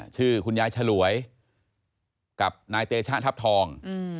ชื่อคุณยายฉลวยกับนายเตชะทัพทอง